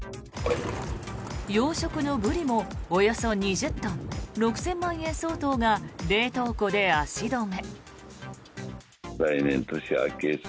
養殖のブリも、およそ２０トン６０００万円相当が冷凍庫で足止め。